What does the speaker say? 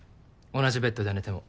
同じベッドで寝ても。